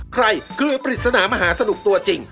เกรปริศนามหาสนุกตัวจริง